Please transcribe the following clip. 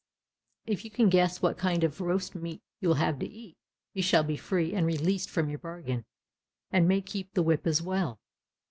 If you can guess what kind of roast meat you will have to eat, you shall be free and released from your bargain, and may keep the whip as well."